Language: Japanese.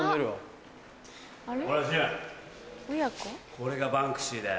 これがバンクシーだよ。